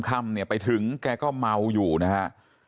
ค่ำเนี่ยไปถึงแกก็เมาอยู่นะฮะ